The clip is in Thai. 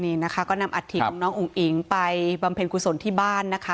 นี่นะคะก็นำอัฐิของน้องอุ๋งอิ๋งไปบำเพ็ญกุศลที่บ้านนะคะ